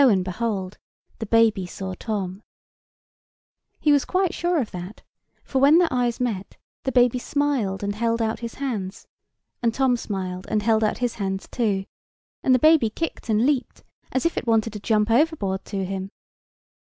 and behold, the baby saw Tom. [Picture: The lady] He was quite sure of that for when their eyes met, the baby smiled and held out his hands; and Tom smiled and held out his hands too; and the baby kicked and leaped, as if it wanted to jump overboard to him.